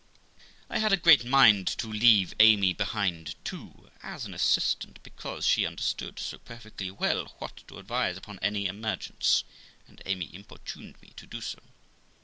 I had a great mind to leave Amy behind too, as an assistant, because she understood so perfectly well what to advise upon any emergence; and Amy importuned me to do so.